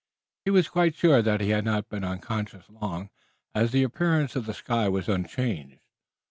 He was quite sure that he had not been unconscious long, as the appearance of the sky was unchanged.